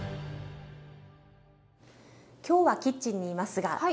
今日はキッチンにいますが。